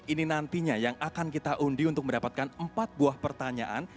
ini nantinya yang akan kita undi untuk mendapatkan empat buah pertanyaan